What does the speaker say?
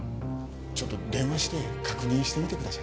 ちょっと電話して確認してみてください。